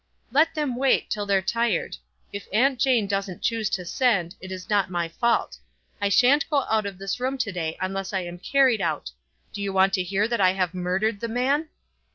"Let them wait, till they're tired. If Aunt Jane doesn't choose to send, it is not my fault. I sha'n't go out of this room to day unless I am carried out. Do you want to hear that I have murdered the man?"